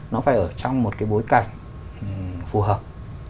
nó phải ở trong một cái bối cảnh phù hợp